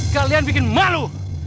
kalian bikin malu